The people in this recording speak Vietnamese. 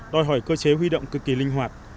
đòi hỏi cơ chế huy động cực kỳ linh hoạt